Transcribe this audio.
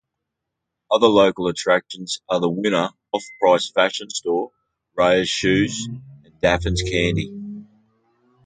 Other local attractions are The Winner off-price fashion store, Reyer's shoes, and Daffin's Candy.